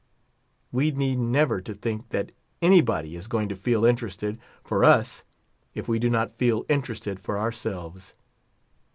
We need never to think that any body is going to feel interested for us, if we do not feel interested for ourselves.